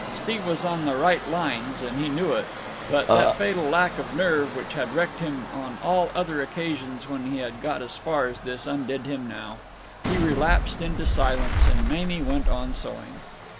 Steve was on the right lines, and he knew it; but that fatal lack of nerve which had wrecked him on all the other occasions when he had got as far as this undid him now. He relapsed into silence, and Mamie went on sewing.